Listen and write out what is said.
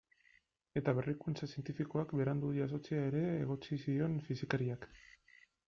Eta berrikuntza zientifikoak berandu jasotzea ere egotzi zion fisikariak.